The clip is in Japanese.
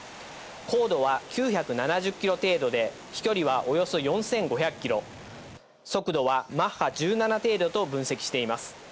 高度は９７０キロ程度で、飛距離はおよそ４５００キロ、速度はマッハ１７程度と分析しています。